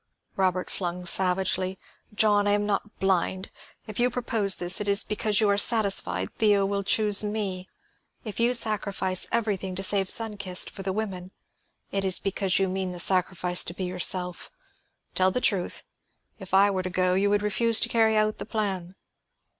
Robert flung savagely. "John, I am not blind; if you propose this, it is because you are satisfied Theo will choose me. If you sacrifice everything to save Sun Kist for the women, it is because you mean the sacrifice to be yourself. Tell the truth; if I were to go, you would refuse to carry out the plan."